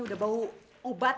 udah bau obat